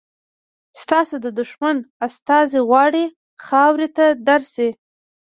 ستاسو د دښمن استازی غواړي خاورې ته درشي.